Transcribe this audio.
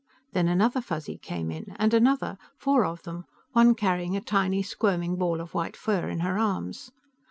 Then another Fuzzy came in, and another; four of them, one carrying a tiny, squirming ball of white fur in her arms.